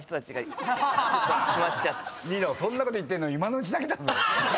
ニノそんなこと言ってるの今のうちだけだぞ⁉